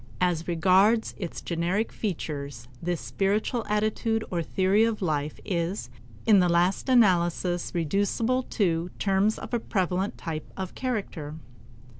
As regards its generic features, this spiritual attitude or theory of life is in the last analysis reducible to terms of a prevalent type of character.